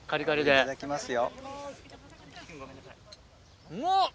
・いただきますよ。